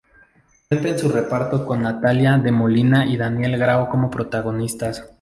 Cuenta en su reparto con Natalia de Molina y Daniel Grao como protagonistas.